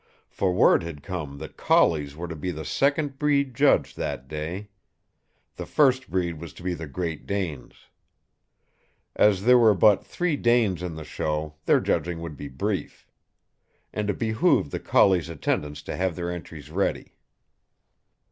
For word had come that collies were to be the second breed judged that day. The first breed was to be the Great Danes. As there were but three Danes in the show, their judging would be brief. And it behooved the collies' attendants to have their entries ready.